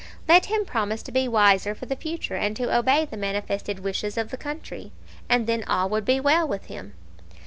Let him promise to be wiser for the future, and to obey the manifested wishes of the country, and then all would be well with him.